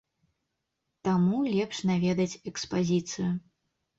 Таму лепш наведаць экспазіцыю.